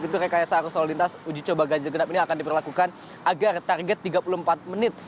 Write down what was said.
dan secara solintas uji coba ganjil genap ini akan diperlakukan agar target tiga puluh empat menit